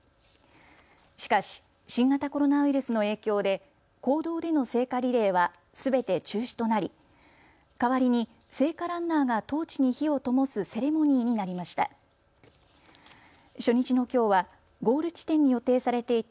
しかし、新型コロナウイルスの影響で公道での聖火リレーはすべて中止となり代わりに聖火ランナーがトーチに火をともすセレモニーになりました。